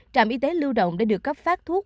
trạm y tế lưu động đã được cấp phát thuốc